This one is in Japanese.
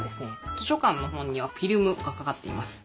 図書かんのほんにはフィルムがかかっています。